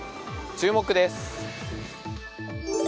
注目です。